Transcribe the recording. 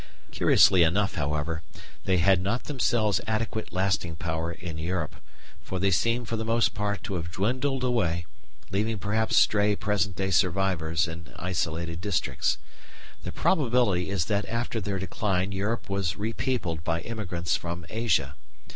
Curiously enough, however, they had not themselves adequate lasting power in Europe, for they seem for the most part to have dwindled away, leaving perhaps stray present day survivors in isolated districts. The probability is that after their decline Europe was repeopled by immigrants from Asia.